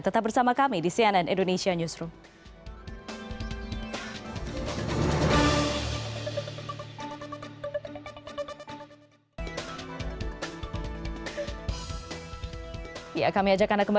tetap bersama kami di cnn indonesia newsroom